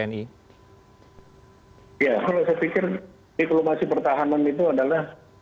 ya kalau saya pikir diplomasi pertahanan itu adalah